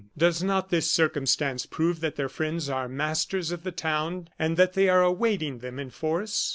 Does not this circumstance prove that their friends are masters of the town, and that they are awaiting them in force?